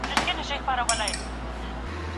دا خو ورور مي دی بې حده حرامخوره